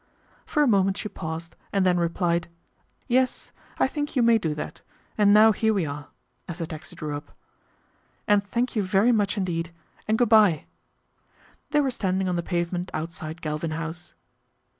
' For a moment she paused and then replied ' Yes, I think you may do that, and now here we are," as the taxi drew up, " and thank you very much indeed, and good bye." They were stand ing on the pavement outside Galvin House.